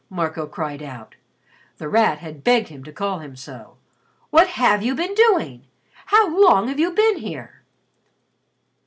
Marco cried out The Rat had begged him to call him so. "What have you been doing? How long have you been here?"